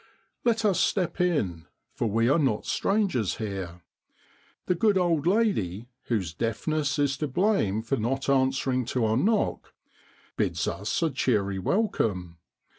Let us step in, for we are not strangers here. The good old lady, whose deafness is to blame for not answer ing to our knock, bids us a cheery welcome.